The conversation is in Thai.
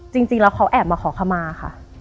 จริงแล้วเขาแอบมาขอขมาค่ะ